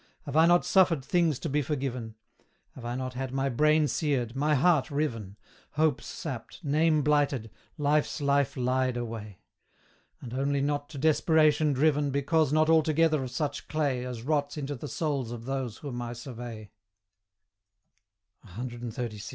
Have I not suffered things to be forgiven? Have I not had my brain seared, my heart riven, Hopes sapped, name blighted, Life's life lied away? And only not to desperation driven, Because not altogether of such clay As rots into the souls of those whom I survey. CXXXVI.